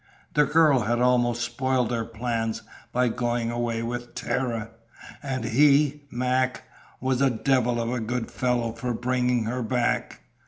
The girl had almost spoiled their plans by going away with Tara. And he Mac was a devil of a good fellow for bringing her back!